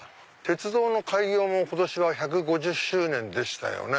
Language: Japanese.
鉄道の開業も今年は１５０周年でしたよね。